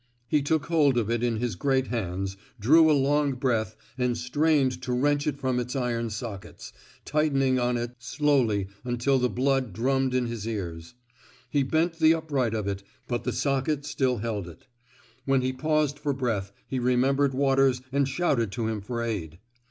He took hold of it in his great hands, drew a long breath, and strained to wrench it from its iron sockets, tightening on it slowly until the blood drummed in his ears. He bent the upright of it, but the socket still held it. When he paused for breath, he remembered Waters and shouted to him for aid.